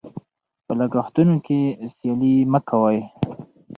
په لګښتونو کې سیالي مه کوئ.